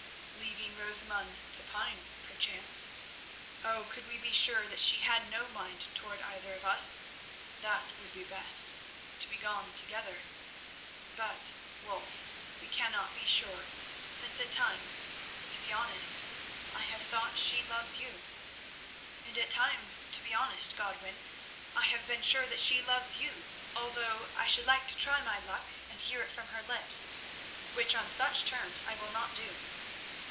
"Leaving Rosamund to pine, perchance. Oh, could we be sure that she had no mind toward either of us, that would be best—to begone together. But, Wulf, we cannot be sure, since at times, to be honest, I have thought she loves you." "And at times, to be honest, Godwin, I have been sure that she loves you, although I should like to try my luck and hear it from her lips, which on such terms I will not do."